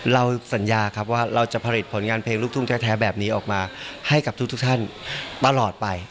เราสัญญาครับว่าเราจะผลิตผลงานเพลงลูกทุ่งแท้แบบนี้ออกมาให้กับทุกท่านตลอดไป